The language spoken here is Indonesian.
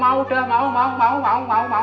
mau dah mau mau mau mau mau